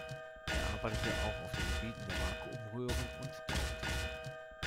Er arbeitete auch auf den Gebieten der Vakuumröhren und der Optik.